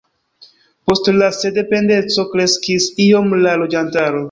Post la sendependeco kreskis iom la loĝantaro.